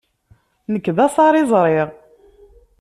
Nekk d asariẓri.